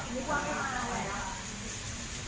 นักเล่นเกิดเหลือมากที่สุด